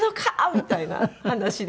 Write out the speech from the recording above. みたいな話で。